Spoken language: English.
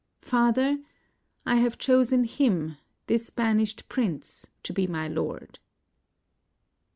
Father, I have chosen him, this banished prince, to be my lord."